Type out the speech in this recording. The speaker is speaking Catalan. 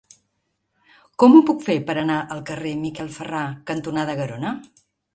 Com ho puc fer per anar al carrer Miquel Ferrà cantonada Garona?